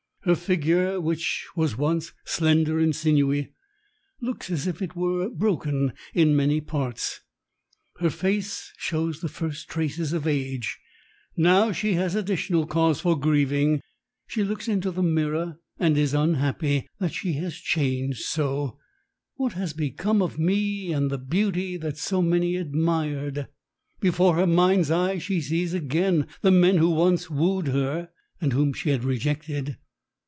Her figure, which was once slender and sinewy, looks as if it were broken in many parts; her face shows the first traces of age. Now she has additional cause for grieving. She looks into the mirror and is unhappy that she has changed so. "What has become of me and the beauty that so many admired?" Before her mind's eye she sees again the men who once wooed her and whom she had rejected.